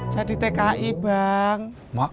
saya di tki bang